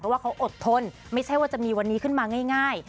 ว่าเขาอดทนไม่ใช่ว่าจะมีวันนี้ขึ้นมาง่าย